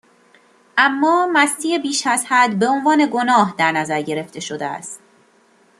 اما مستی بیشازحد، بهعنوان گناه در نظر گرفته شده است